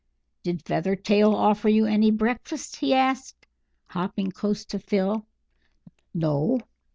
"Did Feathertail offer you any breakfast?" he asked, hopping close to Phil. "No."